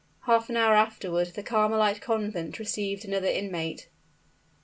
Half an hour afterward the Carmelite Convent received another inmate.